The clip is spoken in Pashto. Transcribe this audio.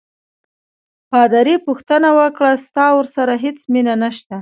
پادري پوښتنه وکړه: ستا ورسره هیڅ مینه نشته؟